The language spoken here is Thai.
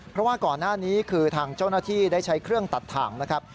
เพราะว่าก่อนหน้านี้คือทางเจ้าหน้าที่ได้ใช้เครื่องตัดถ่างนะครับ